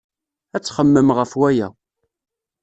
Ad txemmemem ɣef waya.